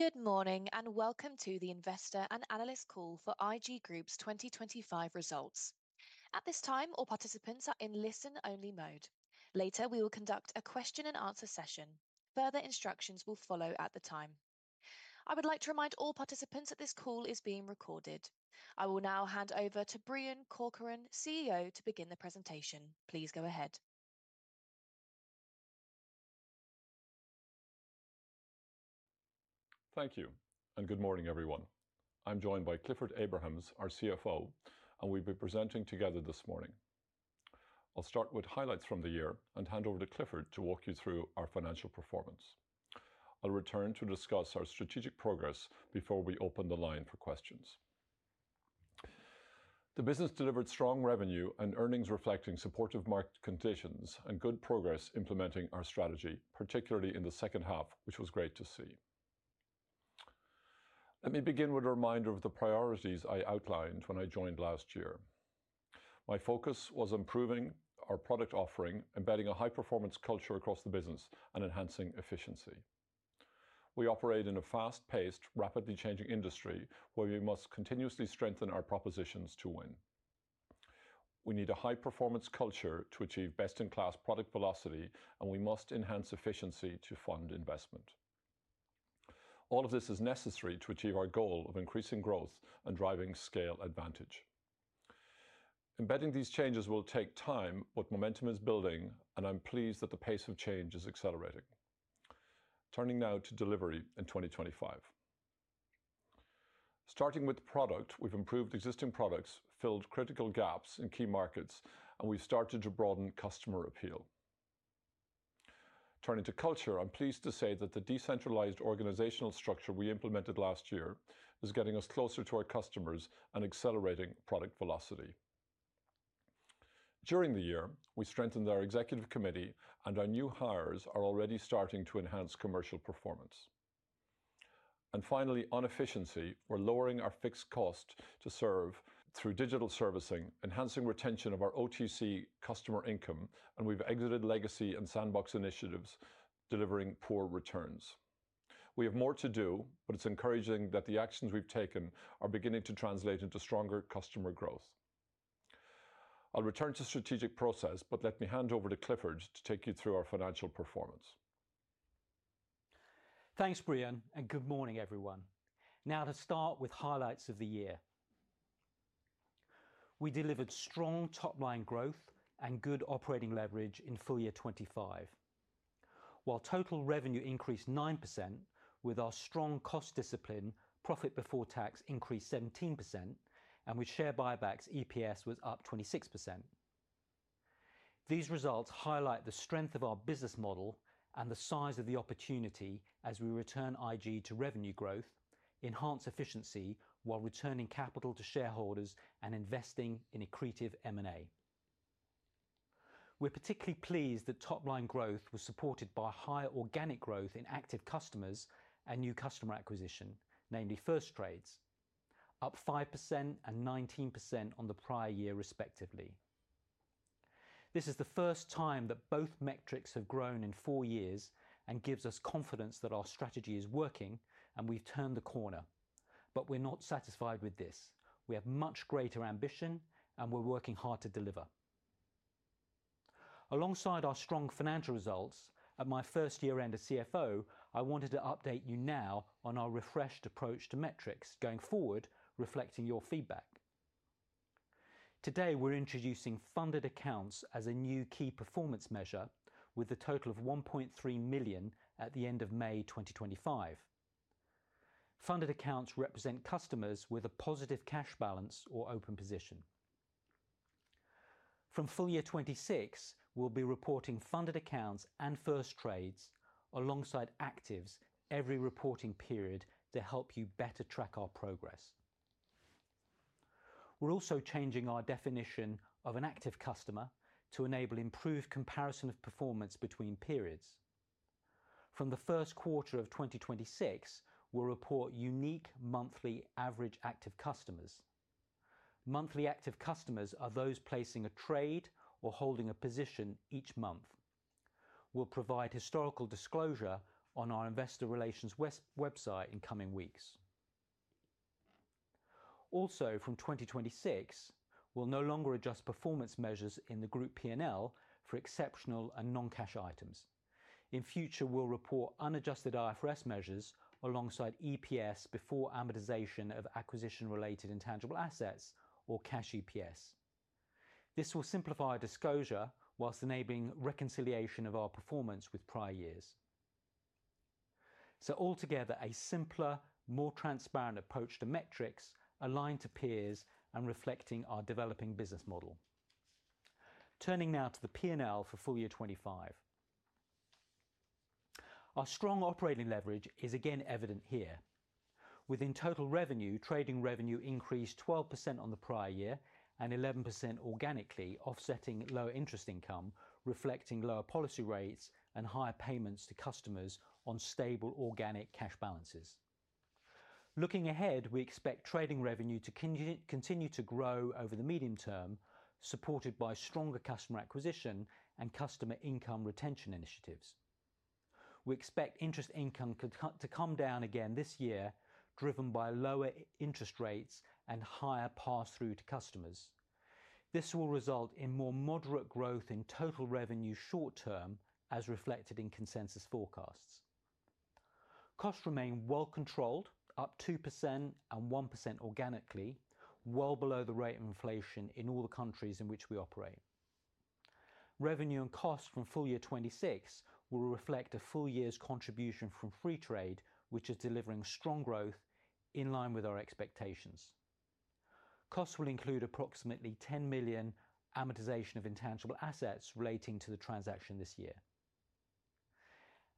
Good morning, and welcome to the Investor and Analyst Call for IG Group's 2025 Results. At this time, all participants are in listen only mode. Later, we will conduct a question and answer session. Further instructions will follow at the time. I would like to remind all participants that this call is being recorded. I will now hand over to Brian Corcoran, CEO, to begin the presentation. Please go ahead. Thank you, and good morning, everyone. I'm joined by Clifford Abrahams, our CFO, and we'll be presenting together this morning. I'll start with highlights from the year and hand over to Clifford to walk you through our financial performance. I'll return to discuss our strategic progress before we open the line for questions. The business delivered strong revenue and earnings reflecting supportive market conditions and good progress implementing our strategy, particularly in the second half, which was great to see. Let me begin with a reminder of the priorities I outlined when I joined last year. My focus was improving our product offering, embedding a high performance culture across the business and enhancing efficiency. We operate in a fast paced, rapidly changing industry where we must continuously strengthen our propositions to win. We need a high performance culture to achieve best in class product velocity, and we must enhance efficiency to fund investment. All of this is necessary to achieve our goal of increasing growth and driving scale advantage. Embedding these changes will take time, but momentum is building, and I'm pleased that the pace of change is accelerating. Turning now to delivery in 2025. Starting with product, we've improved existing products, filled critical gaps in key markets, and we've started to broaden customer appeal. Turning to culture, I'm pleased to say that the decentralized organizational structure we implemented last year is getting us closer to our customers and accelerating product velocity. During the year, we strengthened our executive committee, and our new hires are already starting to enhance commercial performance. And finally, on efficiency, we're lowering our fixed cost to serve through digital servicing, enhancing retention of our OTC customer income, and we've exited legacy and sandbox initiatives delivering poor returns. We have more to do, but it's encouraging that the actions we've taken are beginning to translate into stronger customer growth. I'll return to strategic process, but let me hand over to Clifford to take you through our financial performance. Thanks, Brienne, and good morning, everyone. Now to start with highlights of the year. We delivered strong top line growth and good operating leverage in full year '25. While total revenue increased 9% with our strong cost discipline, profit before tax increased 17%, and with share buybacks EPS was up 26%. These results highlight the strength of our business model and the size of the opportunity as we return IG to revenue growth, enhance efficiency while returning capital to shareholders, and investing in accretive m and a. We're particularly pleased that top line growth was supported by higher organic growth in active customers and new customer acquisition, namely FirstTrades, up 519% on the prior year respectively. This is the first time that both metrics have grown in four years and gives us confidence that our strategy is working and we've turned the corner, but we're not satisfied with this. We have much greater ambition, and we're working hard to deliver. Alongside our strong financial results, at my first year end as CFO, I wanted to update you now on our refreshed approach to metrics going forward, reflecting your feedback. Today, we're introducing funded accounts as a new key performance measure with a total of 1,300,000.0 at the May. Funded accounts represent customers with a positive cash balance or open position. From full year '26, we'll be reporting funded accounts and first trades alongside actives every reporting period to help you better track our progress. We're also changing our definition of an active customer to enable improved comparison of performance between periods. From the first quarter of twenty twenty six, we'll report unique monthly average active customers. Monthly active customers are those placing a trade or holding a position each month. We'll provide historical disclosure on our investor relations west website in coming weeks. Also, from 2026, we'll no longer adjust performance measures in the group p and l for exceptional and noncash items. In future, we'll report unadjusted IFRS measures alongside EPS before amortization of acquisition related intangible assets or cash EPS. This will simplify our disclosure whilst enabling reconciliation of our performance with prior years. So altogether, a simpler, more transparent approach to metrics aligned to peers and reflecting our developing business model. Turning now to the p and l for full year '25. Our strong operating leverage is again evident here. Within total revenue, trading revenue increased 12% on the prior year and 11% organically, offsetting lower interest income, reflecting lower policy rates and higher payments to customers on stable organic cash balances. Looking ahead, we expect trading revenue to continue to grow over the medium term, supported by stronger customer acquisition and customer income retention initiatives. We expect interest income could cut to come down again this year driven by lower interest rates and higher pass through to customers. This will result in more moderate growth in total revenue short term as reflected in consensus forecasts. Costs remain well controlled, up 21% organically, well below the rate of inflation in all the countries in which we operate. Revenue and costs from full year '26 will reflect a full year's contribution from free trade, which is delivering strong growth in line with our expectations. Costs will include approximately 10,000,000 amortization of intangible assets relating to the transaction this year.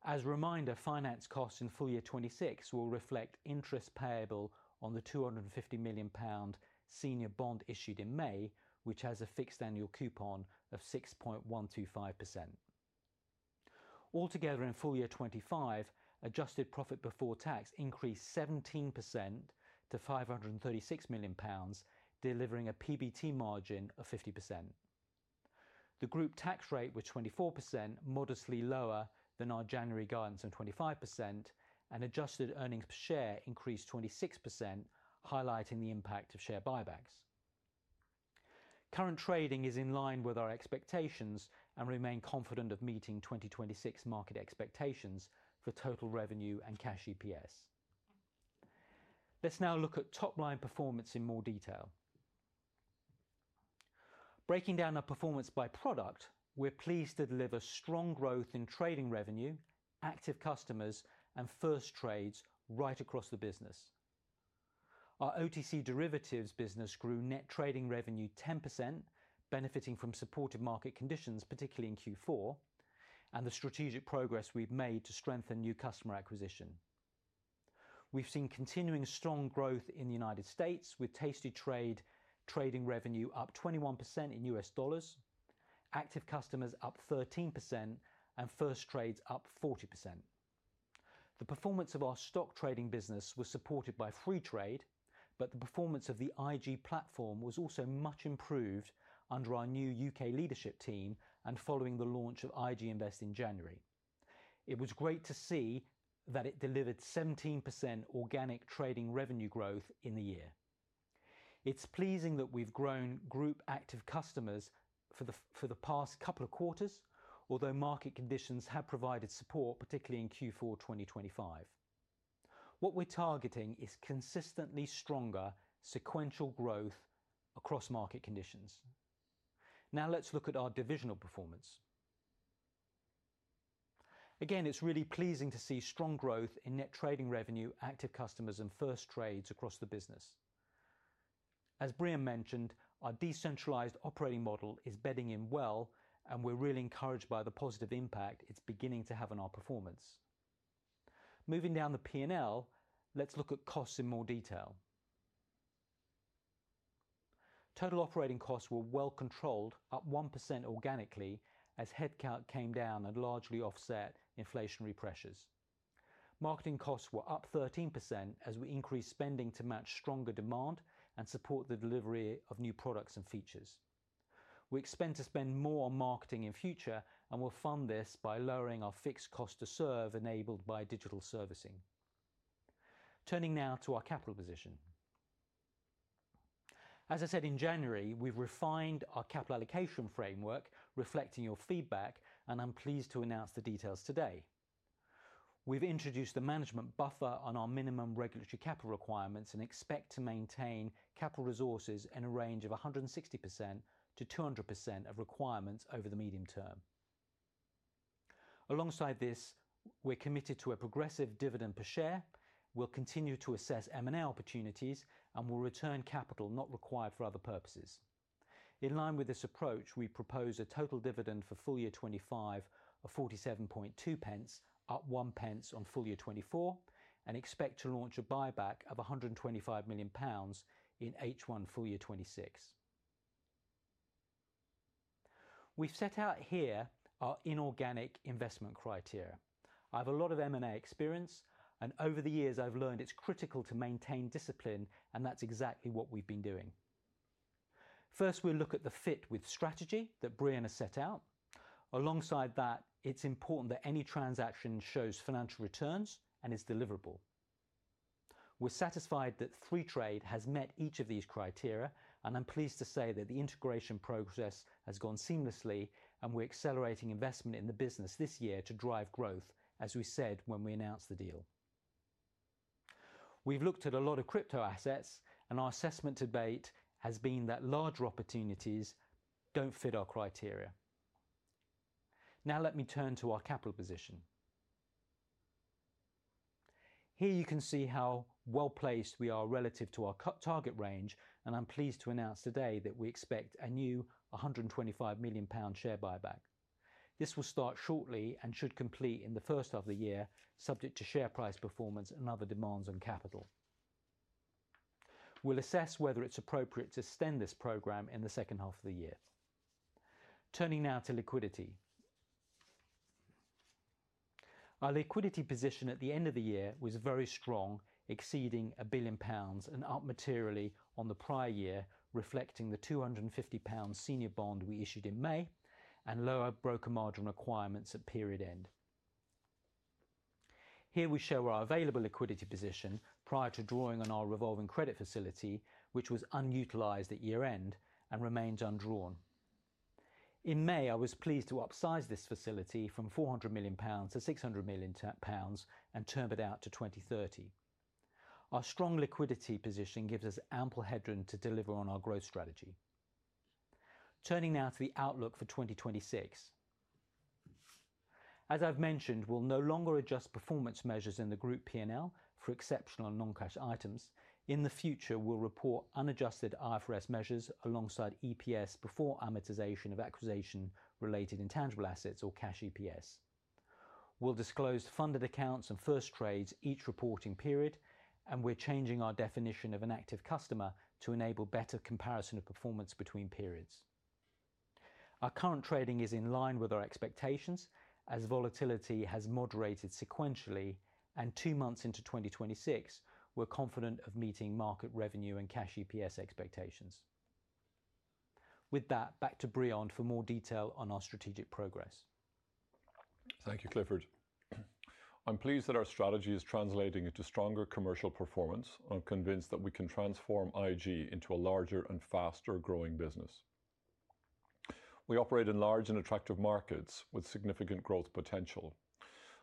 As a reminder, finance costs in full year '26 will reflect interest payable on the £250,000,000 senior bond issued in May, which has a fixed annual coupon of 6.125%. Altogether in full year '25, adjusted profit before tax increased 17% to £536,000,000, delivering a PBT margin of 50%. The group tax rate was 24%, modestly lower than our January guidance of 25%, and adjusted earnings per share increased 26%, highlighting the impact of share buybacks. Current trading is in line with our expectations and remain confident of meeting 2026 market expectations for total revenue and cash EPS. Let's now look at top line performance in more detail. Breaking down our performance by product, we're pleased to deliver strong growth in trading revenue, active customers, and first trades right across the business. Our OTC derivatives business grew net trading revenue 10%, benefiting from supportive market conditions, particularly in q four, and the strategic progress we've made to strengthen new customer acquisition. We've seen continuing strong growth in The United States with Tastytrade trading revenue up 21% in US dollars, active customers up 13%, and FirstTrades up 40%. The performance of our stock trading business was supported by Freetrade, but the performance of the IG platform was also much improved under our new UK leadership team and following the launch of IG Invest in January. It was great to see that it delivered 17% organic trading revenue growth in the year. It's pleasing that we've grown group active customers for the for the past couple of quarters, although market conditions have provided support particularly in q four twenty twenty five. What we're targeting is consistently stronger sequential growth across market conditions. Now let's look at our divisional performance. Again, it's really pleasing to see strong growth in net trading revenue, active customers, and first trades across the business. As Bria mentioned, our decentralized operating model is bedding in well, and we're really encouraged by the positive impact it's beginning to have on our performance. Moving down the p and l, let's look at costs in more detail. Total operating costs were well controlled, up 1% organically as headcount came down and largely offset inflationary pressures. Marketing costs were up 13% as we increased spending to match stronger demand and support the delivery of new products and features. We expect to spend more on marketing in future, and we'll fund this by lowering our fixed cost to serve enabled by digital servicing. Turning now to our capital position. As I said in January, we've refined our capital allocation framework reflecting your feedback, and I'm pleased to announce the details today. We've introduced the management buffer on our minimum regulatory capital requirements and expect to maintain capital resources in a range of a 160% to 200% of requirements over the medium term. Alongside this, we're committed to a progressive dividend per share. We'll continue to assess m and a opportunities, and we'll return capital not required for other purposes. In line with this approach, we propose a total dividend for full year '25 of 47.2p, up 1p on full year '24, and expect to launch a buyback of a £125,000,000 in h one full year twenty '6. We've set out here our inorganic investment criteria. I have a lot of m and a experience, and over the years, I've learned it's critical to maintain discipline, and that's exactly what we've been doing. First, we'll look at the fit with strategy that Brienne has set out. Alongside that, it's important that any transaction shows financial returns and is deliverable. We're satisfied that Three Trade has met each of these criteria, and I'm pleased to say that the integration process has gone seamlessly, and we're accelerating investment in the business this year to drive growth as we said when we announced the deal. We've looked at a lot of crypto assets, and our assessment debate has been that larger opportunities don't fit our criteria. Now let me turn to our capital position. Here you can see how well placed we are relative to our cut target range, and I'm pleased to announce today that we expect a new a £125,000,000 share buyback. This will start shortly and should complete in the first half of the year subject to share price performance and other demands on capital. We'll assess whether it's appropriate to extend this program in the second half of the year. Turning now to liquidity. Our liquidity position at the end of the year was very strong, exceeding a billion pounds and up materially on the prior year, reflecting the £250 senior bond we issued in May and lower broker margin requirements at period end. Here, we show our available liquidity position prior to drawing on our revolving credit facility, which was unutilized at year end and remains undrawn. In May, I was pleased to upsize this facility from £400,000,000 to £600,000,000 and term it out to 2030. Our strong liquidity position gives us ample headroom to deliver on our growth strategy. Turning now to the outlook for 2026. As I've mentioned, we'll no longer adjust performance measures in the group p and l for exceptional and noncash items. In the future, we'll report unadjusted IFRS measures alongside EPS before amortization of acquisition related intangible assets or cash EPS. We'll disclose funded accounts and first trades each reporting period, and we're changing our definition of an active customer to enable better comparison of performance between periods. Our current trading is in line with our expectations as volatility has moderated sequentially, and two months into 2026, we're confident of meeting market revenue and cash EPS expectations. With that, back to Brianne for more detail on our strategic progress. Thank you, Clifford. I'm pleased that our strategy is translating into stronger commercial performance. I'm convinced that we can transform IG into a larger and faster growing business. We operate in large and attractive markets with significant growth potential.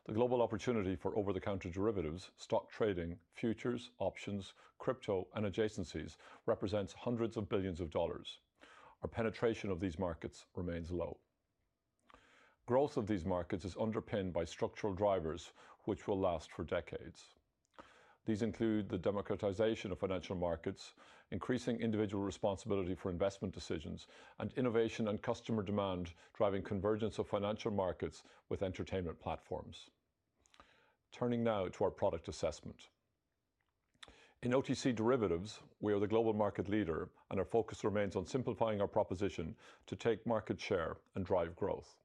The global opportunity for over the counter derivatives, stock trading, futures, options, crypto and adjacencies represents hundreds of billions of dollars. Our penetration of these markets remains low. Growth of these markets is underpinned by structural drivers which will last for decades. These include the democratization of financial markets, increasing individual responsibility for investment decisions, and innovation and customer demand driving convergence of financial markets with entertainment platforms. Turning now to our product assessment. In OTC derivatives, we are the global market leader, and our focus remains on simplifying our proposition to take market share and drive growth.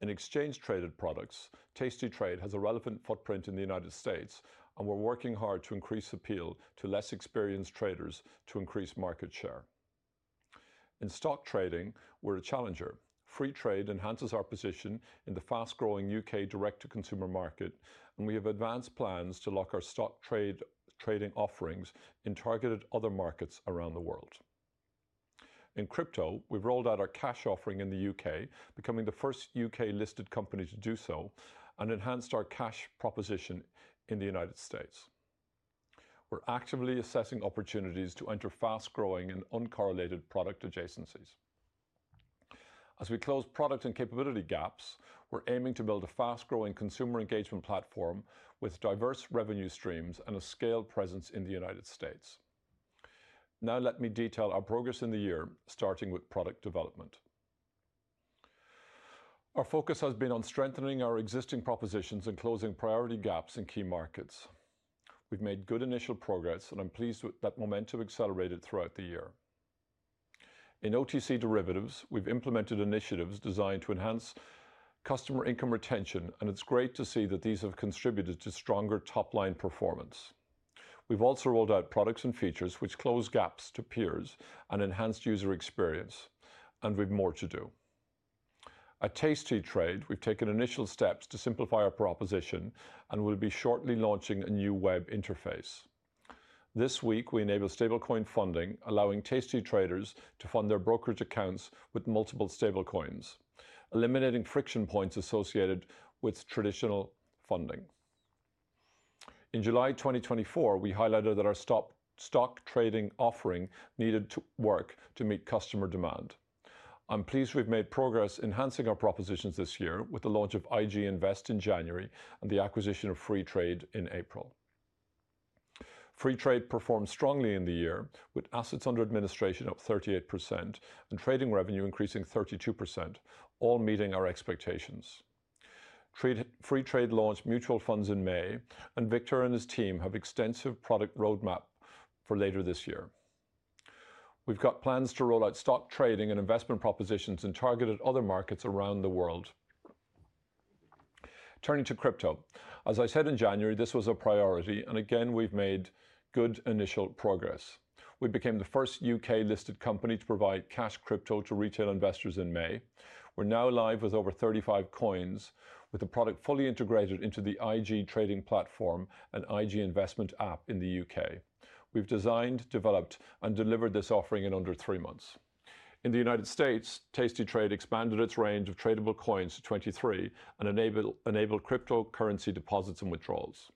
In exchange traded products, Tastytrade has a relevant footprint in The United States, and we're working hard to increase appeal to less experienced traders to increase market share. In stock trading, we're a challenger. Free trade enhances our position in the fast growing UK direct to consumer market, and we have advanced plans to lock our stock trade trading offerings in targeted other markets around the world. In crypto, we've rolled out our cash offering in The UK, becoming the first UK listed company to do so, and enhanced our cash proposition in The United States. We're actively assessing opportunities to enter fast growing and uncorrelated product adjacencies. As we close product and capability gaps, we're aiming to build a fast growing consumer engagement platform with diverse revenue streams and a scaled presence in The United States. Now let me detail our progress in the year, starting with product development. Our focus has been on strengthening our existing propositions and closing priority gaps in key markets. We've made good initial progress, and I'm pleased that momentum accelerated throughout the year. In OTC derivatives, we've implemented initiatives designed to enhance customer income retention, and it's great to see that these have contributed to stronger top line performance. We've also rolled out products and features which close gaps to peers and enhanced user experience, and we've more to do. At Tastytrade, we've taken initial steps to simplify our proposition, and we'll be shortly launching a new web interface. This week, we enable stablecoin funding, allowing tasty traders to fund their brokerage accounts with multiple stablecoins, eliminating friction points associated with traditional funding. In July 2024, we highlighted that our stock trading offering needed to work to meet customer demand. I'm pleased we've made progress enhancing our propositions this year with the launch of IG Invest in January and the acquisition of Freetrade in April. Freetrade performed strongly in the year with assets under administration up 38% and trading revenue increasing 32%, all meeting our expectations. Trade free trade launched mutual funds in May, and Victor and his team have extensive product road map for later this year. We've got plans to roll out stock trading and investment propositions in targeted other markets around the world. Turning to crypto. As I said in January, this was a priority, and again, we've made good initial progress. We became the first UK listed company to provide cash crypto to retail investors in May. We're now live with over 35 coins with the product fully integrated into the IG trading platform and IG investment app in The UK. We've designed, developed, and delivered this offering in under three months. In The United States, Tastytrade expanded its range of tradable coins to 23 and enabled enabled cryptocurrency deposits and withdrawals.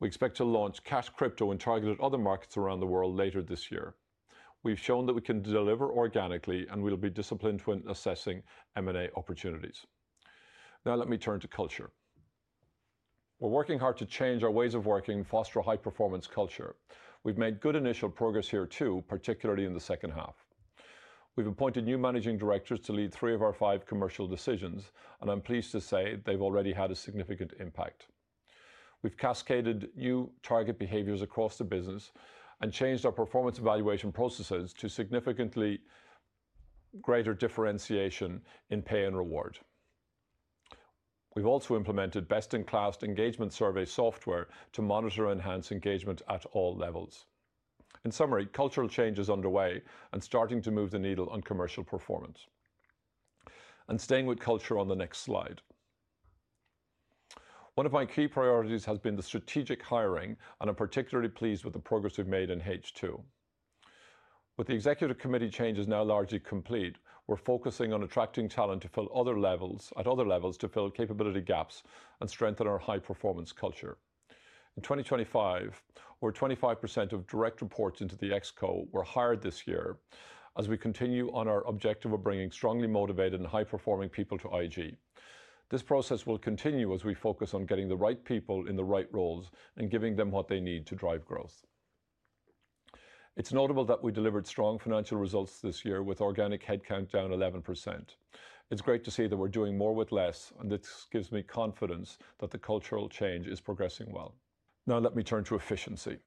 We expect to launch cash crypto and targeted other markets around the world later this year. We've shown that we can deliver organically, and we'll be disciplined when assessing m and a opportunities. Now let me turn to culture. We're working hard to change our ways of working and foster a high performance culture. We've made good initial progress here too, particularly in the second half. We've appointed new managing directors to lead three of our five commercial decisions, and I'm pleased to say they've already had a significant impact. We've cascaded new target behaviours across the business and changed our performance evaluation processes to significantly greater differentiation in pay and reward. We've also implemented best in class engagement survey software to monitor and enhance engagement at all levels. In summary, cultural change is underway and starting to move the needle on commercial performance. And staying with culture on the next slide. One of my key priorities has been the strategic hiring and I am particularly pleased with the progress we have made in H2. With the executive committee changes now largely complete, we're focusing on attracting talent to fill other levels at other levels to fill capability gaps and strengthen our high performance culture. In 2025, where 25% of direct reports into the XCO were hired this year as we continue on our objective of bringing strongly motivated and high performing people to IG. This process will continue as we focus on getting the right people in the right roles and giving them what they need to drive growth. It's notable that we delivered strong financial results this year with organic headcount down 11%. It's great to see that we're doing more with less, and this gives me confidence that the cultural change is progressing well. Now let me turn to efficiency.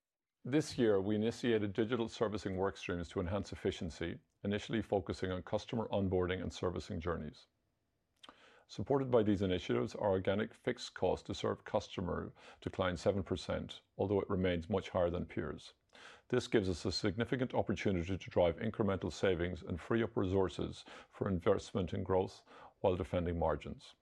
This year, we initiated digital servicing work streams to enhance efficiency, initially focusing on customer onboarding and servicing journeys. Supported by these initiatives, our organic fixed cost to serve customer declined 7%, although it remains much higher than peers. This gives us a significant opportunity to drive incremental savings and free up resources for investment in growth while defending margins.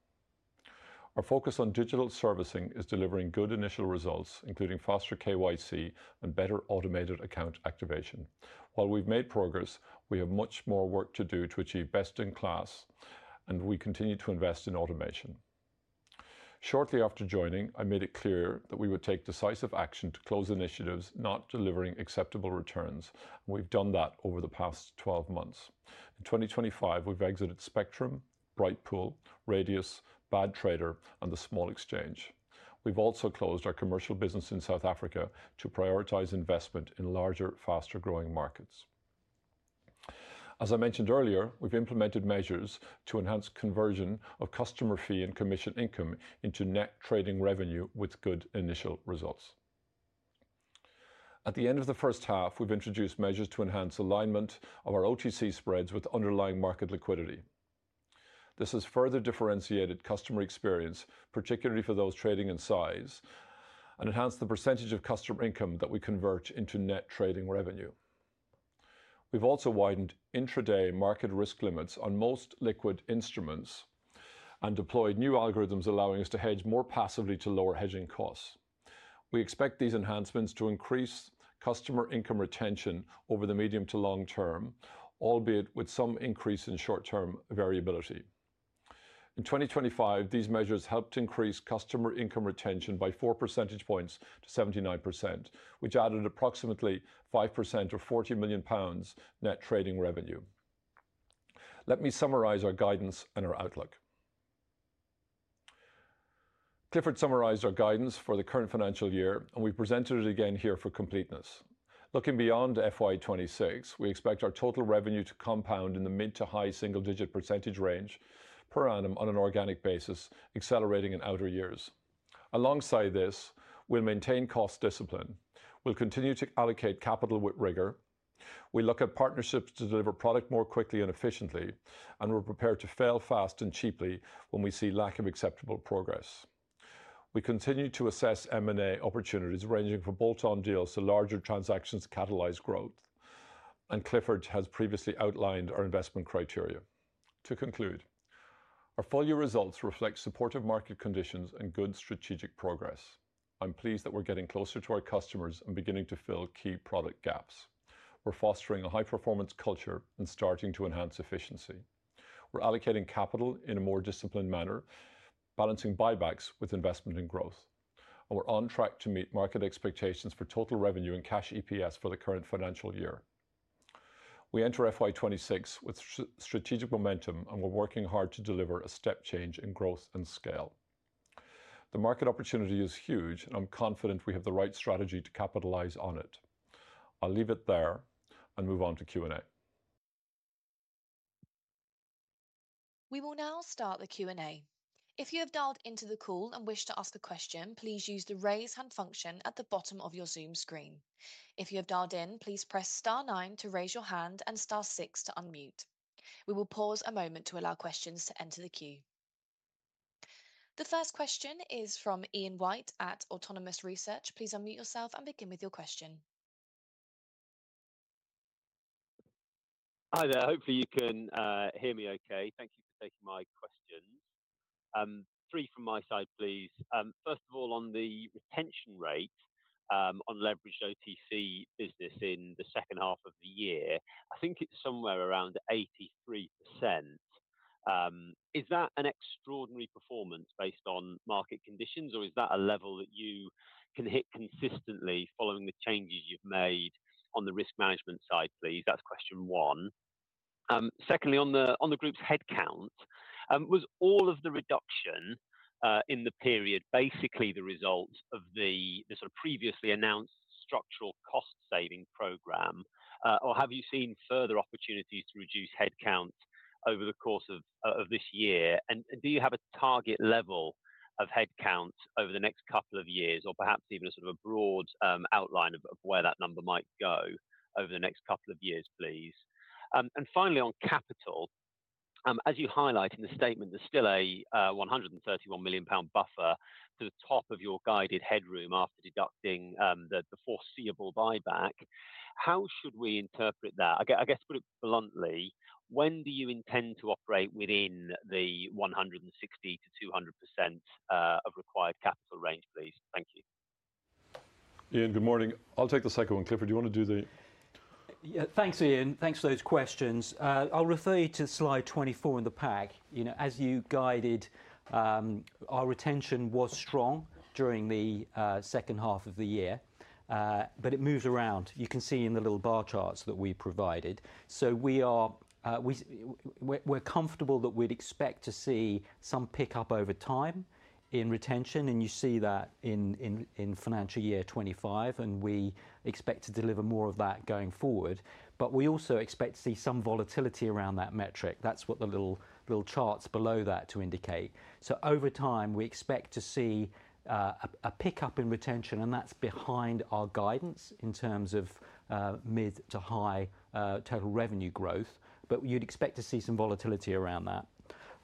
Our focus on digital servicing is delivering good initial results, including faster KYC and better automated account activation. While we have made progress, we have much more work to do to achieve best in class and we continue to invest in automation. Shortly after joining, I made it clear we would take decisive action to close initiatives not delivering acceptable returns, and we've done that over the past twelve months. In 2025, we've exited Spectrum, Brightpool, Radius, BadTrader and the Small Exchange. We have also closed our commercial business in South Africa to prioritize investment in larger, faster growing markets. As I mentioned earlier, we have implemented measures to enhance conversion of customer fee and commission income into net trading revenue with good initial results. At the end of the first half, we've introduced measures to enhance alignment of our OTC spreads with underlying market liquidity. This has further differentiated customer experience, particularly for those trading in size, and enhanced the percentage of customer income that we convert into net trading revenue. We've also widened intraday market risk limits on most liquid instruments and deployed new algorithms allowing us to hedge more passively to lower hedging costs. We expect these enhancements to increase customer income retention over the medium to long term, albeit with some increase in short term variability. In 2025, these measures helped increase customer income retention by four percentage points to 79%, which added approximately 5% or £40,000,000 net trading revenue. Let me summarize our guidance and our outlook. Clifford summarized our guidance for the current financial year, and we presented it again here for completeness. Looking beyond FY 2026, we expect our total revenue to compound in the mid to high single digit percentage range per annum on an organic basis, accelerating in outer years. Alongside this, we'll maintain cost discipline. We'll continue to allocate capital with rigor. We look at partnerships to deliver product more quickly and efficiently, and we're prepared to fail fast and cheaply when we see lack of acceptable progress. We continue to assess M and A opportunities ranging from bolt on deals to larger transactions catalyze growth, and Clifford has previously outlined our investment criteria. To conclude, our full year results reflect supportive market conditions and good strategic progress. I'm pleased that we're getting closer to our customers and beginning to fill key product gaps. We're fostering a high performance culture and starting to enhance efficiency. We're allocating capital in a more disciplined manner, balancing buybacks with investment in growth. And we're on track to meet market expectations for total revenue and cash EPS for the current financial year. We enter FY twenty six with strategic momentum, and we're working hard to deliver a step change in growth and scale. The market opportunity is huge, and I'm confident we have the right strategy to capitalize on it. I'll leave it there and move on to Q and A. We will now start the Q and A. If you have dialed into the call and wish to ask a question, please use the raise hand function at the bottom of your Zoom screen. If you have dialed in, please press 9 to raise your hand and 6 to unmute. The first question is from Ian White at Autonomous Research. Please unmute yourself and begin with your question. Hi there. Hopefully, you can hear me okay. Thank you for taking my questions. Three from my side, please. First of all, on the retention rate on leveraged OTC business in the second half of the year, I think it's somewhere around 83%. Is that an extraordinary performance based on market conditions? Or is that a level that you can hit consistently following the changes you've made on the risk management side, please? That's question one. Secondly, on the group's headcount, was all of the reduction in the period basically the result of the sort of previously announced structural cost saving program? Or have you seen further opportunities to reduce headcount over the course of this year? And do you have a target level of headcount over the next couple of years or perhaps even a sort of broad outline of where that number might go over the next couple of years, please? And finally, on capital, as you highlight in the statement, there's still a 131,000,000 pound buffer to the top of your guided headroom after deducting the foreseeable buyback. How should we interpret that? I guess, put it bluntly, when do you intend to operate within the 160% to 200% of required capital range, Thank you. Ian, good morning. I'll take the second one. Clifford, do you want to do the Thanks, Ian. Thanks for those questions. I'll refer you to Slide 24 in the pack. As you guided, our retention was strong during the second half of the year, but it moves around. You can see in the little bar charts that we provided. So we are we're comfortable that we'd expect to see some pickup over time in retention, and you see that in in in financial year '25, and we expect to deliver more of that going forward. But we also expect to see some volatility around that metric. That's what the little little charts below that to indicate. So over time, we expect to see a pickup in retention and that's behind our guidance in terms of mid to high total revenue growth, but you'd expect to see some volatility around that.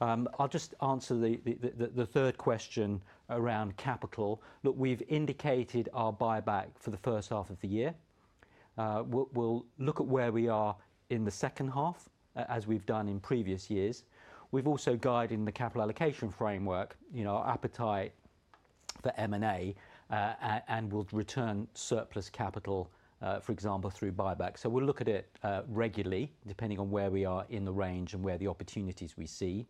I'll just answer the third question around capital. Look, we've indicated our buyback for the first half of the year. We'll at where we are in the second half as we've done in previous years. We've also guided in the capital allocation framework, you know, our appetite for m and a, and we'll return surplus capital, for example, through buybacks. So we'll look at it, regularly depending on where we are in the range and where the opportunities we see.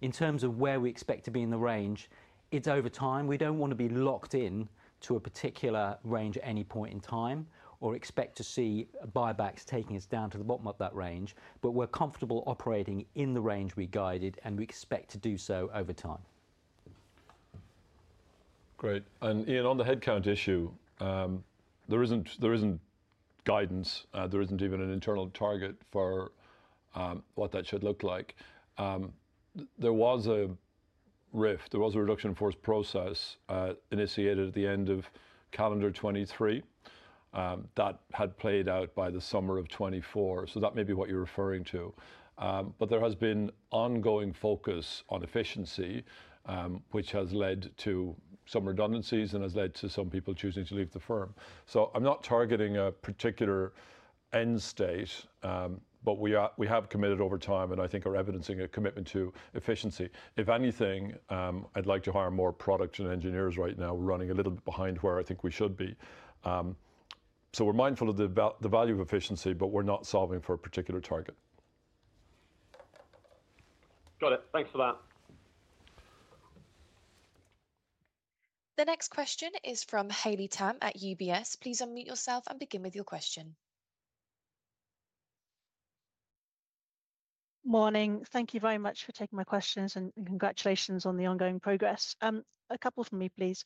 In terms of where we expect to be in the range, it's over time. We don't want to be locked in to a particular range at any point in time or expect to see buybacks taking us down to the bottom of that range, but we're comfortable operating in the range we guided and we expect to do so over time. Great. And Ian, on the headcount issue, there guidance. There isn't even an internal target for what that should look like. There was a rift, there was a reduction in force process initiated at the 2023 that had played out by the summer of twenty twenty four. So that may be what you're referring to. But there has been ongoing focus on efficiency, which has led to some redundancies and has led to some people choosing to leave the firm. So I'm not targeting a particular end state, but we have committed over time and I think are evidencing a commitment to efficiency. If anything, I'd like to hire more products and engineers right now running a little behind where I think we should be. So we're very excited growth in the in in And Good morning. Thank you very much for taking my questions and congratulations on the ongoing progress. A couple for me, please.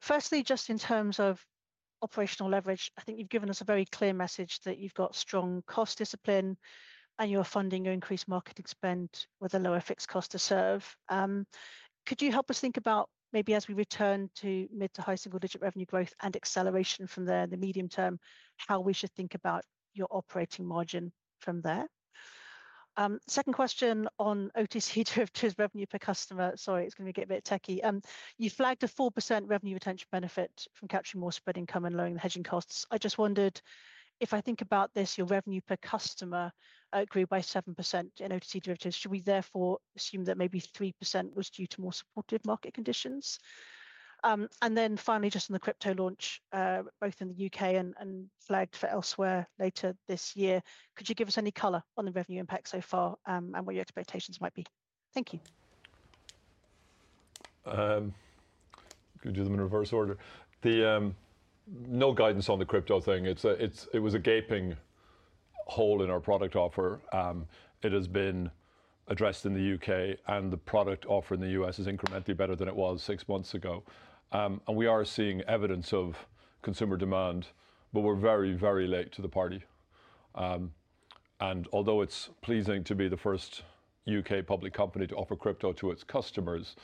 Firstly, just in terms of operational leverage, I think you've given us a very clear message that you've got strong cost discipline and you're funding your increased marketing spend with a lower fixed cost to serve. Could you help us think about maybe as we return to mid- to high single digit revenue growth and acceleration from there in the medium term, how we should think about your operating margin from there? Second question on OTC derivatives revenue per customer. Sorry, it's going get a bit techy. You flagged a 4% revenue retention benefit from capturing more spread income and lowering the hedging costs. I just wondered, if I think about this, your revenue per customer, grew by 7% in OTC derivatives. Should we therefore assume that maybe 3% was due to more supported market conditions? And then finally, just on the crypto launch, both in The UK and and flagged for elsewhere later this year, could you give us any color on the revenue impact so far, and what your expectations might be? Thank you. Could you them in reverse order? The no guidance on the crypto thing. It's a it's it was a gaping hole in our product offer. It has been addressed in The UK and the product offer in The U. S. Is incrementally better than it was six months ago. And we are seeing evidence of consumer demand, but we're very, very late to the party. And although it's pleasing to be the first UK public company to offer crypto to its customers,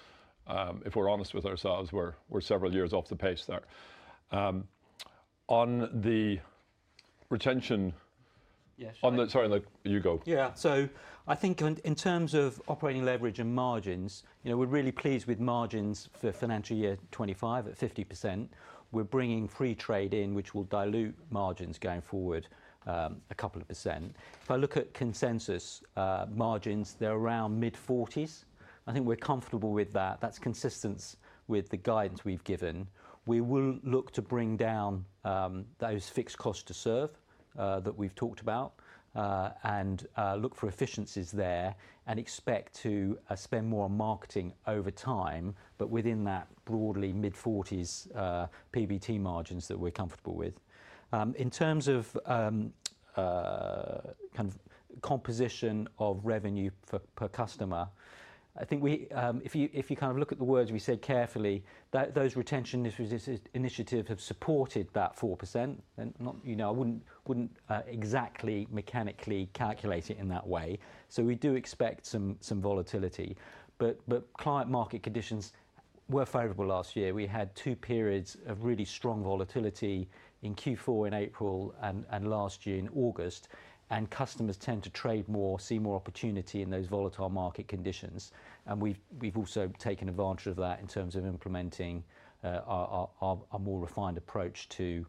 if we're honest with ourselves, we're several years off the pace there. On the retention, on the sorry, you go. Yes. So I think in terms of operating leverage and margins, we're really pleased with margins for financial year 2025 at 50%. We're bringing free trade in, which will dilute margins going forward a couple of percent. If I look at consensus margins, they're around mid-40s. I think we're comfortable with that. That's consistent with the guidance we've given. We will look to bring down those fixed costs to serve that we've talked about and look for efficiencies there and expect to spend more on marketing over time, but within that broadly mid-40s PBT margins that we're comfortable with. In terms of kind of composition of revenue per customer, I think we if you kind of look at the words we said carefully, those retention initiatives have supported that 4% and I wouldn't exactly mechanically calculate it in that way. So we do expect some volatility. But client market conditions were favorable last year. We had two periods of really strong volatility in Q4 in April and last year in August, and customers tend to trade more, see more opportunity in those volatile market conditions. And we've also taken advantage of that in terms of implementing a more refined approach to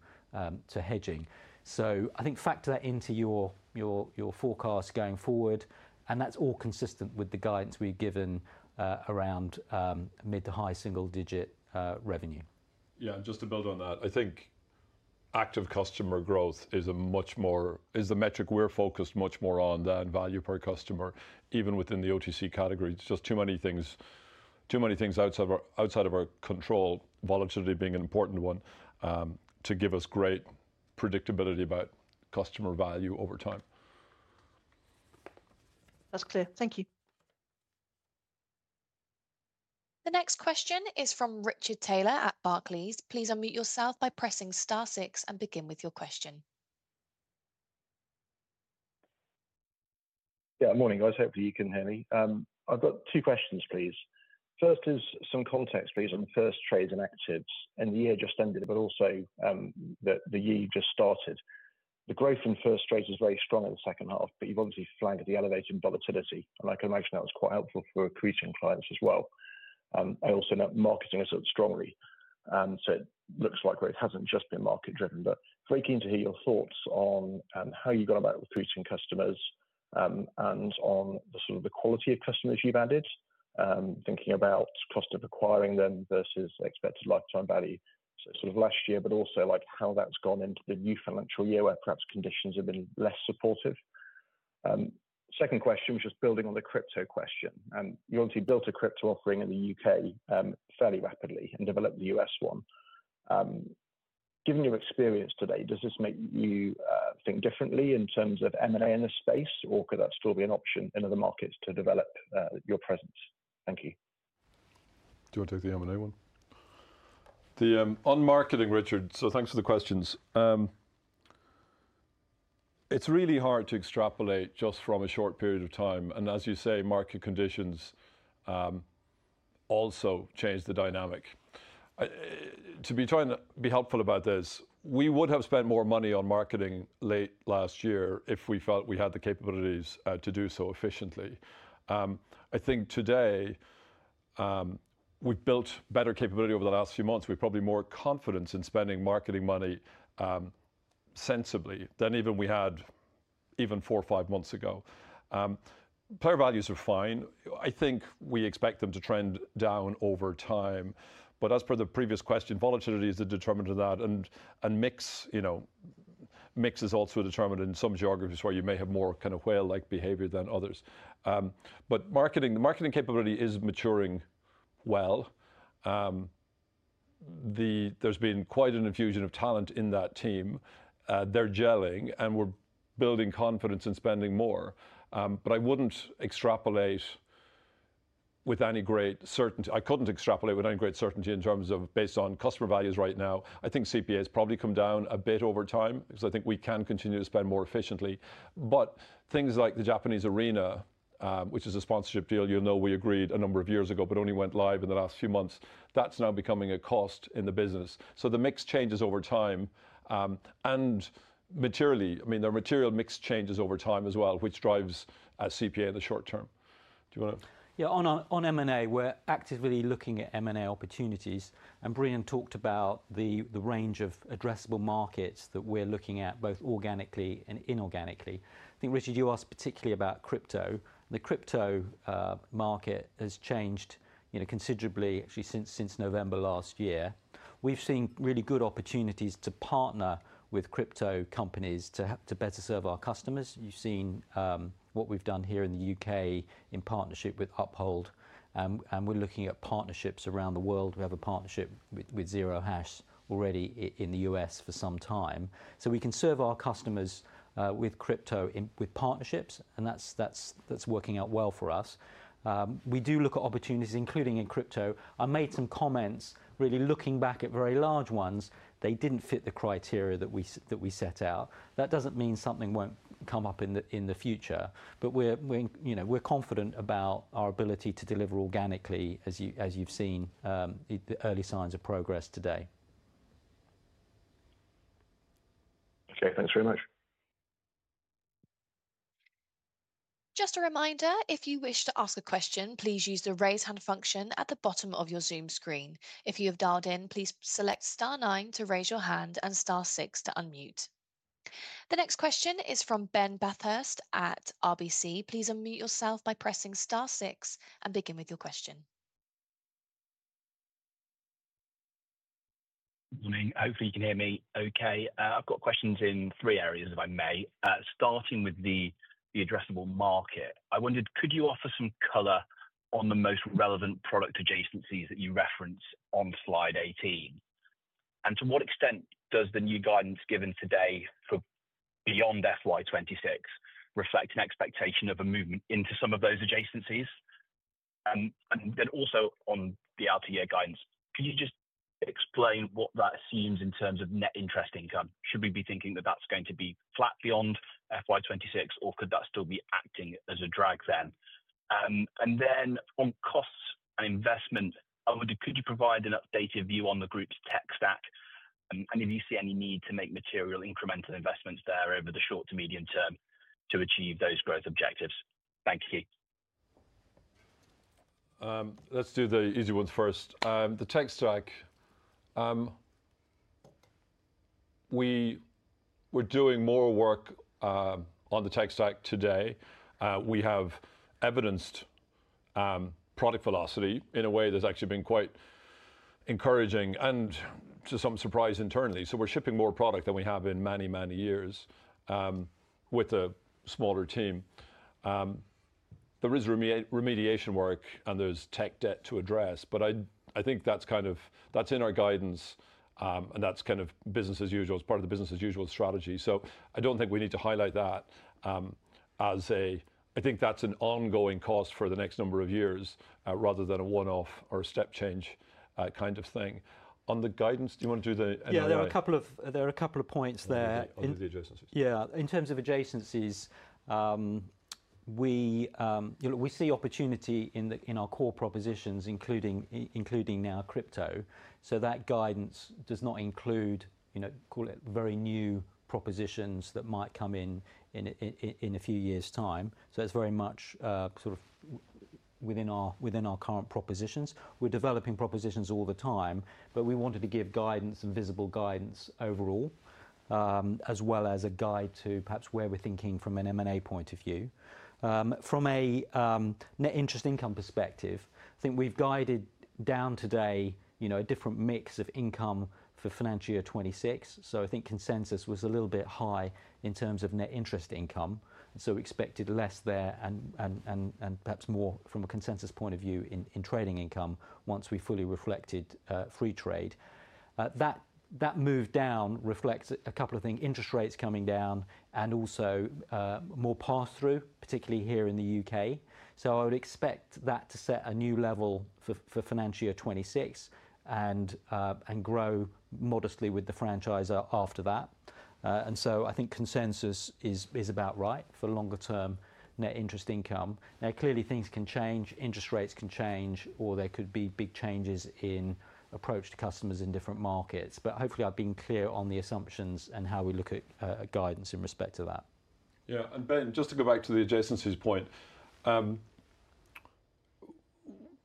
hedging. So I think factor that into your forecast going forward and that's all consistent with the guidance we've given around mid to high single digit revenue. Yes. And just to build on that, I think active customer growth is a much more is the metric we're focused much more on than value per customer even within the OTC category. It's just too many things too many things outside control, of volatility being an important one to give us great predictability about customer value over time. That's clear. Thank you. The next question is from Richard Taylor at Barclays. Please unmute yourself by pressing star six and begin with your question. Yeah. Good morning, guys. Hopefully, you can hear me. I've got two questions, please. First is some context, please, on the first trade and actives and the year just ended, but also, that the year you just started. The growth in first trade is very strong in the second half, but you've obviously flagged the elevated volatility. And I can imagine that was quite helpful for accretion clients as well. I also know marketing is sort of strongly, so it looks like it hasn't just been market driven, but very keen to hear your thoughts on, how you got about recruiting customers, and on the sort of the quality of customers you've added, thinking about cost of acquiring them versus expected lifetime value sort of last year, but also, like, how that's gone into the new financial year where perhaps conditions have been less supportive? Second question, which is building on the crypto question. You obviously built a crypto offering in The UK, fairly rapidly and developed The US one. Given your experience today, does this make you think differently in terms of M and A in this space? Or could that still be an option in other markets to develop your presence? Thank you. Do want to take the M and A one? On marketing, Richard, so thanks for the questions. It's really hard to extrapolate just from a short period of time. And as you say, market conditions also change the dynamic. To be trying to be helpful about this, we would have spent more money on marketing late last year if we felt we had the capabilities to do so efficiently. I think today, we've built better capability over the last few months. We're probably more confident in spending marketing money, sensibly than even we had even four or five months ago. Player values are fine. I think we expect them to trend down over time. But as per the previous question, volatility is the determinant of that and and mix, you know, mix is also determined in some geographies where you may have more kind of whale like behavior than others. But marketing, the marketing capability is maturing well. The there's been quite an infusion of talent in that team. They're gelling, and we're building confidence in spending more. But I wouldn't extrapolate with any great certainty. I couldn't extrapolate with any great certainty in terms of based on customer values right now. I think CPA has probably come down a bit over time because I think we can continue to spend more efficiently. But things like the Japanese arena, which is a sponsorship deal, you know we agreed a number of years ago, but only went live in the last few months. That's now becoming a cost in the business. So the mix changes over time. And materially, I mean, the material mix changes over time as well, which drives a CPA in the short term. Do you want to? Yes. On M and A, we're actively looking at M and A opportunities. And Brian talked about the range of addressable markets that we're looking at both organically and inorganically. I think Richard, you asked particularly about crypto. The crypto market has changed considerably since November. We've seen really good opportunities to partner with crypto companies to better serve our customers. You've seen what we've done here in The UK in partnership with Uphold, and we're looking at partnerships around the world. We have a partnership with Zero Hash already in The U. S. For some time. So we can serve our customers with crypto with partnerships, and that's working out well for us. We do look at opportunities including in crypto. I made some comments really looking back at very large ones. They didn't fit the criteria that we that we set out. That doesn't mean something won't come up in the in the future, but we're we're, you know, we're confident about our ability to deliver organically as you as you've seen, the early signs of progress today. Okay. Thanks very much. The next question is from Ben Bathurst at RBC. Good morning. Hopefully, you can hear me okay. I've got questions in three areas, if I may. Starting with the addressable market, I wondered, could you offer some color on the most relevant product adjacencies that you referenced on Slide 18? And to what extent does the new guidance given today for beyond FY 2026 reflect an expectation of a movement into some of those adjacencies? And then also on the outer year guidance, can you just explain what that seems in terms of net interest income? Should we be thinking that that's going to be flat beyond FY 'twenty six? Or could that still be acting as a drag then? And then on costs and investment, could you provide an updated view on the group's tech stack? And if you see any need to make material incremental investments there over the short to medium term to achieve those growth objectives? You. Let's do the easy ones first. The tech stack, we're doing more work on the tech stack today. We have evidenced product velocity in a way that's actually been quite encouraging and to some surprise internally. So we're shipping more product than we have in many, many years with a smaller team. There is remediation work and there's tech debt to address. But I think that's kind of that's in our guidance and that's kind of business as usual as part of the business as usual strategy. So I don't think we need to highlight that as a I think that's an ongoing cost for the next number of years rather than a one off or a step change kind of thing. On the guidance, do you want to do the Yes. Are of a points there. On the adjacencies. Yes. In terms of adjacencies, we see opportunity in our core propositions, including now crypto. So that guidance does not include, call it, very new propositions that might come in a few years' time. So it's very much sort of within our current propositions. We're developing propositions all the time, but we wanted to give guidance and visible guidance overall as well as a guide to perhaps where we're thinking from an M and A point of view. From a net interest income perspective, I think we've guided down today a different mix of income for financial year 2026. So I think consensus was a little bit high in terms of net interest income. So we expected less there and perhaps more from a consensus point of view in trading income once we fully reflected free trade. That move down reflects a couple of things, interest rates coming down and also more pass through, particularly here in The UK. So I would expect that to set a new level for for financial year '26 and and grow modestly with the franchise after that. And so I think consensus is about right for longer term net interest income. Now clearly, things can change, interest rates can change or there could be big changes in approach to customers in different markets. But hopefully, I've been clear on the assumptions and how we look at at guidance in respect to that. Yes. And Ben, just to go back to the adjacencies point,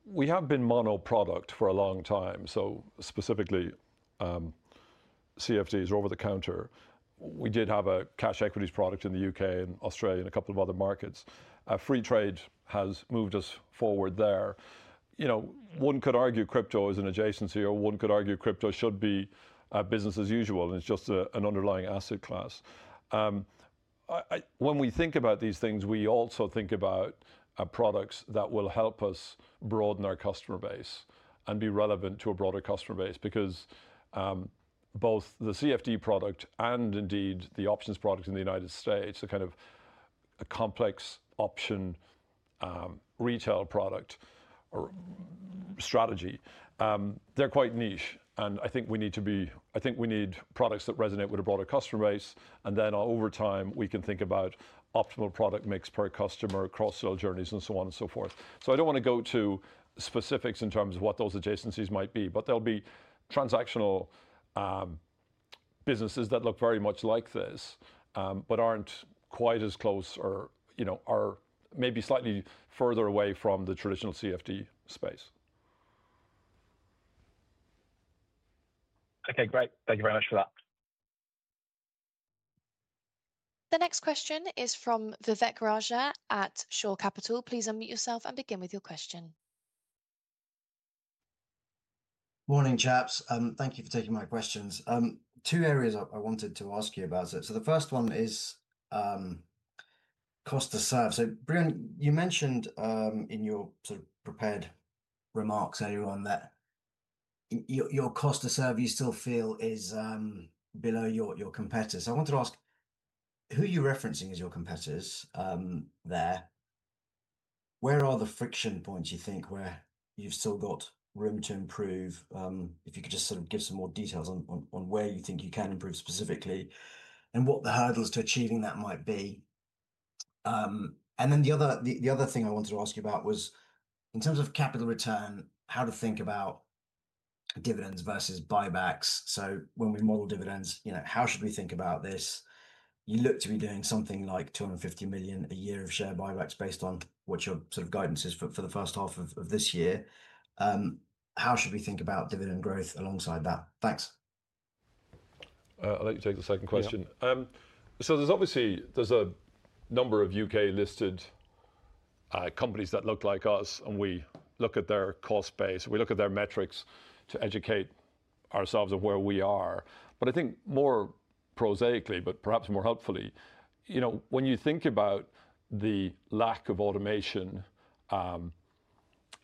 we have been mono product for a long time. So specifically, CFDs are over the counter. We did have a cash equities product in The UK and Australia and a couple of other markets. Free trade has moved us forward there. One could argue crypto is an adjacency or one could argue crypto should be business as usual. It's just an underlying asset class. When we think about these things, we also think about products that will help us broaden our customer base and be relevant to a broader customer base because both the CFD product and indeed the options product in The United States, the kind of complex option retail product strategy, they're quite niche. And I think we need to be I think we need products that resonate with a broader customer base. And then over time, we can think about optimal product mix per customer across all journeys and so on and so forth. So I don't want to go to specifics in terms of what those adjacencies might be, but there'll be transactional businesses that look very much like this, but aren't quite as close or are maybe slightly further away from the traditional CFD space. Okay. Great. Thank you very much for that. The next question is from Vivek Raja at Shaw Capital. Please unmute yourself and begin with your question. Morning, chaps. Thank you for taking my questions. Two areas I wanted to ask you about it. So the first one is, cost to serve. So, Brian, you mentioned, in your sort of prepared remarks, everyone, that your your cost to serve, you still feel is below your your competitors. I wanted to ask, who are you referencing as your competitors there? Where are the friction points you think where you've still got room to improve? If you could just sort of give some more details on on on where you think you can improve specifically and what the hurdles to achieving that might be. And then the other the the other thing I wanted to ask you about was in terms of capital return, how to think about dividends versus buybacks. So when we model dividends, you know, how should we think about this? You look to be doing something like 250,000,000 a year of share buybacks based on what your sort of guidance is for the first half of this year. How should we think about dividend growth alongside that? Thanks. I'll let you take the second question. So there's obviously there's a number of UK listed companies that look like us, and we look at their cost base. We look at their metrics to educate ourselves of where we are. But I think more prosaically, but perhaps more helpfully, when you think about the lack of automation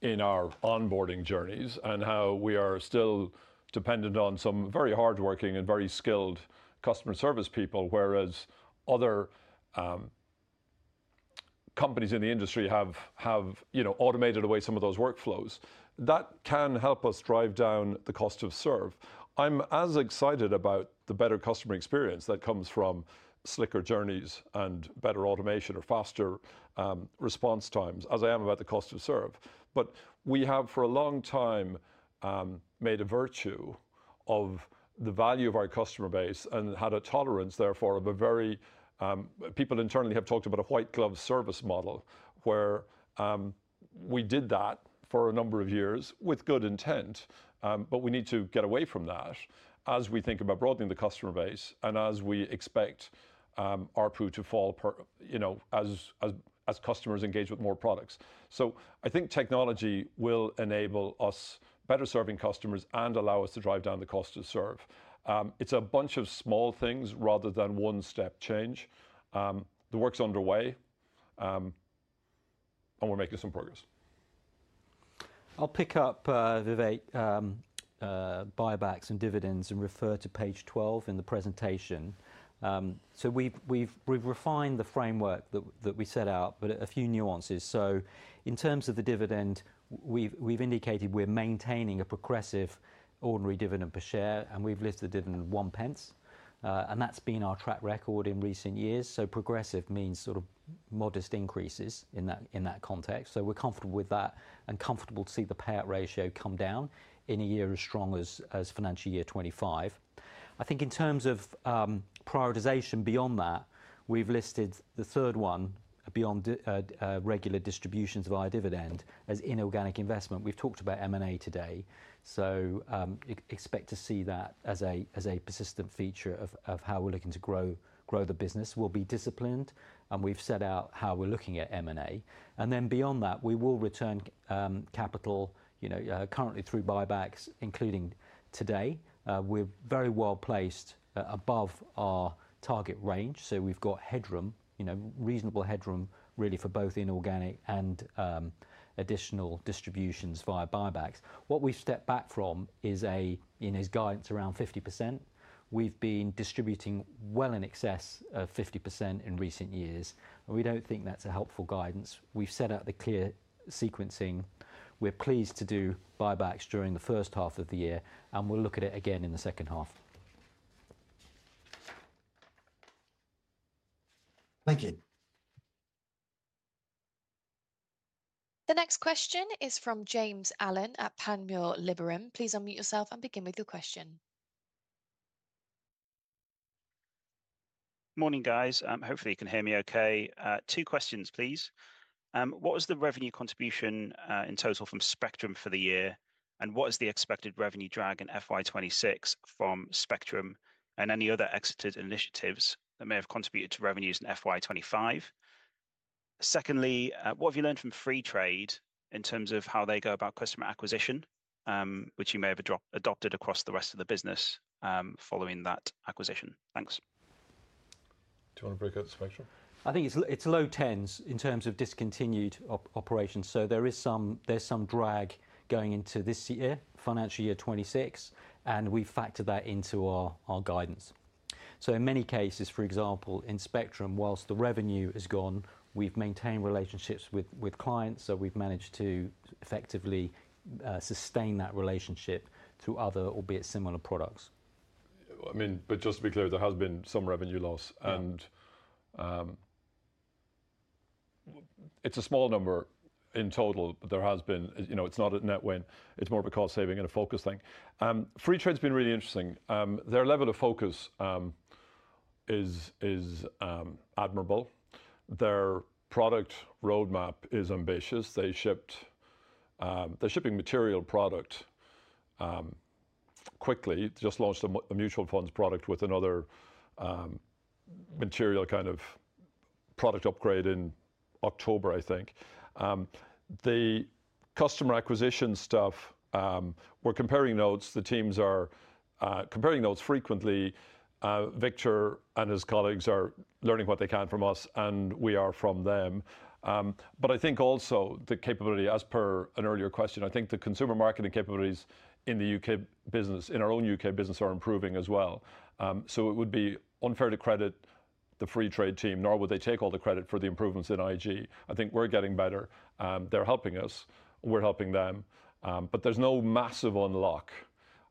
in our onboarding journeys and how we are still dependent on some very hardworking and very skilled customer service people, whereas other companies in the industry have have automated away some of those workflows. That can help us drive down the cost of serve. I'm as excited about the better customer experience that comes from slicker journeys and better automation or faster, response times as I am about the cost to serve. But we have for a long time, made a virtue of the value of our customer base and had a tolerance therefore of a very, people internally have talked about a white glove service model where we did that for a number of years with good intent. But we need to get away from that as we think about broadening the customer base and as we expect ARPU to fall, know, as as customers engage with more products. So I think technology will enable us better serving customers and allow us to drive down the cost to serve. It's a bunch of small things rather than one step change. The work's underway, and we're making some progress. I'll pick up, Vivek, buybacks and dividends and refer to page 12 in the presentation. So we've refined the framework that we set out, but a few nuances. So in terms of the dividend, we've indicated we're maintaining a progressive ordinary dividend per share, and we've listed dividend at 1p, And that's been our track record in recent years. So progressive means sort of modest increases in that context. So we're comfortable with that and comfortable to see the payout ratio come down in a year as strong as financial year 2025. I think in terms of prioritization beyond that, we've listed the third one beyond regular distributions via dividend as inorganic investment. We've talked about M and A today. So expect to see that as a persistent feature of how we're looking to grow the business. We'll be disciplined, and we've set out how we're looking at M and A. And then beyond that, we will return capital currently through buybacks, including today. We're very well placed above our target range. So we've got headroom, reasonable headroom really for both inorganic and additional distributions via buybacks. What we've stepped back from is a in his guidance around 50%. We've been distributing well in excess of 50% in recent years, and we don't think that's a helpful guidance. We've set out the clear sequencing. We're pleased to do buybacks during the first half of the year, and we'll look at it again in the second half. Thank you. The next question is from James Allen at Panmure Liberum. Please unmute yourself and begin with your question. Good morning, guys. Hopefully, you can hear me okay. Two questions, please. What was the revenue contribution in total from Spectrum for the year? And what is the expected revenue drag in FY twenty twenty six from Spectrum? And any other exited initiatives that may have contributed to revenues in FY twenty twenty five? Secondly, what have you learned from Freetrade in terms of how they go about customer acquisition, which you may have adopted across the rest of the business, following that acquisition? Thanks. Do want you to break out the spectrum? I think it's low tens in terms of discontinued operations. So there is some drag going into this year, financial year 2026, and we factor that into our guidance. So in many cases, for example, in Spectrum, whilst the revenue is gone, we've maintained relationships with clients, so we've managed to effectively sustain that relationship through other, albeit similar products. I mean, but just to be clear, there has been some revenue loss. And it's a small number in total, but there has been it's not a net win. It's more of a cost saving and a focus thing. Free trade has been really interesting. Their level of focus is admirable. Their product road map is ambitious. They shipped the shipping material product quickly. Just launched a mutual funds product with another material kind of product upgrade in October, I think. The customer acquisition stuff, we're comparing notes. The teams are comparing notes frequently. Victor and his colleagues are learning what they can from us and we are from them. But I think also the capability as per an earlier question, I think the consumer marketing capabilities in The UK business, in our own UK business are improving as well. So it would be unfair to credit the free trade team nor would they take all the credit for the improvements in IG. I think we're getting better. They're helping us. We're helping them. But there's no massive unlock.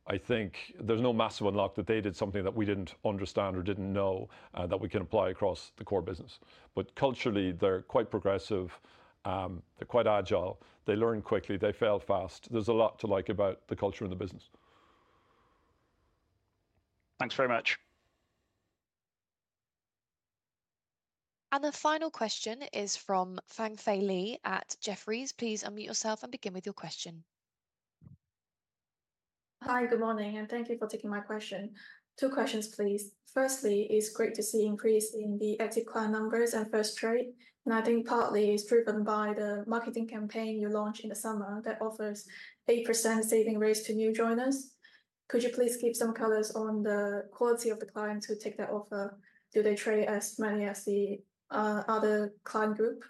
I think there's no massive unlock that they did something that we didn't understand or didn't know, that we can apply across the core business. But culturally, they're quite progressive. They're quite agile. They learn quickly. They fail fast. There's a lot to like about the culture of the business. Thanks very much. And the final question is from Fang Fei Li at Jefferies. Please unmute yourself and begin with your question. Hi. Good morning, and thank you for taking my question. Two questions, please. Firstly, it's great to see increase in the active client numbers and first trade, and I think partly is driven by the marketing campaign you launched in the summer that offers 8% saving raise to new joiners. Could you please give some colors on the quality of the clients who take that offer? Do they trade as many as the other client group?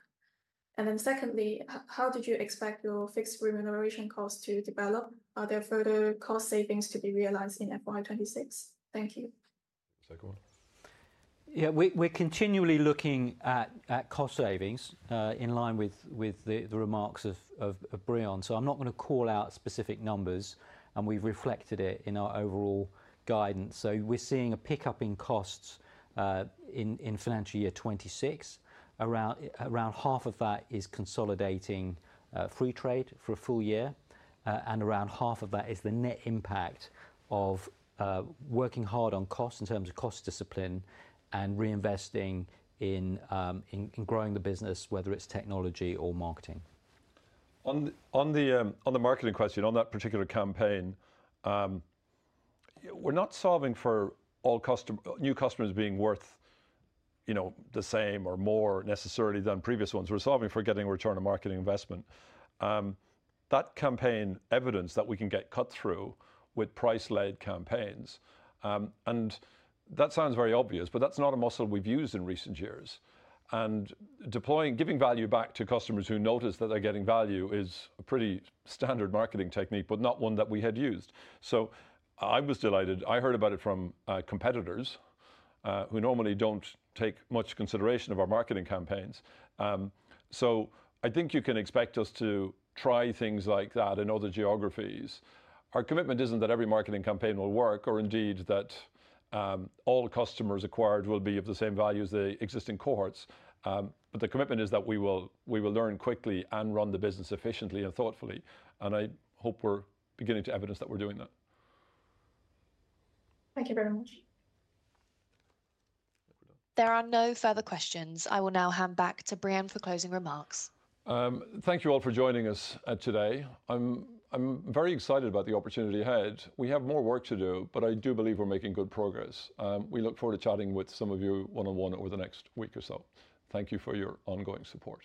And then secondly, how did you expect your fixed remuneration cost to develop? Are there further cost savings to be realized in FY '26? Thank you. Second one? Yeah. We're we're continually looking at at cost savings, in line with with the the remarks of of of Brion. So I'm not gonna call out specific numbers, and we've reflected it in our overall guidance. So we're seeing a pickup in costs in in financial year '26. Around around half of that is consolidating free trade for a full year, and around half of that is the net impact of working hard on costs in terms of cost discipline and reinvesting in growing the business, whether it's technology or marketing. On on the, on the marketing question, on that particular campaign, we're not solving for all custom new customers being worth, you know, the same or more necessarily than previous ones. We're solving for getting return on marketing investment. That campaign evidence that we can get cut through with price led campaigns. And that sounds very obvious, but that's not a muscle we've used in recent years. And deploying giving value back to customers who notice that they're getting value is a pretty standard marketing technique, but not one that we had used. So I was delighted. I heard about it from competitors who normally don't take much consideration of our marketing campaigns. So I think you can expect us to try things like that in other geographies. Our commitment isn't that every marketing campaign will work or indeed that all customers acquired will be of the same value as the existing cohorts. But the commitment is that we will learn quickly and run the business efficiently and thoughtfully. And I hope we're beginning to evidence that we're doing that. Thank you very much. There are no further questions. I will now hand back to Brienne for closing remarks. Thank you all for joining us today. I'm very excited about the opportunity ahead. We have more work to do, but I do believe we're making good progress. We look forward to chatting with some of you one on one over the next week or so. Thank you for your ongoing support.